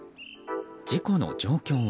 事故の状況は。